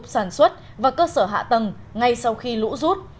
đất và cơ sở hạ tầng ngay sau khi lũ rút